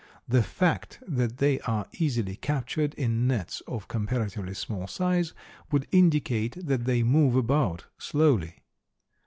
The fact that they are easily captured in nets of comparatively small size would indicate that they move about slowly.